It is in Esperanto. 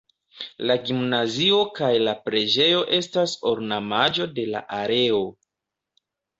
La gimnazio kaj la preĝejo estas ornamaĵo de la aleo.